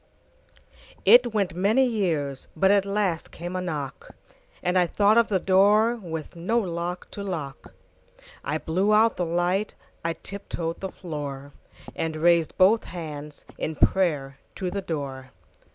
IT went many years, But at last came a knock, And I thought of the doorWith no lock to lock.I blew out the light,I tip toed the floor, And raised both handsIn prayer to the door.